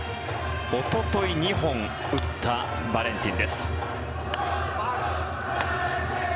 おととい２本打ったバレンティン。